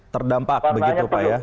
terdampak begitu pak ya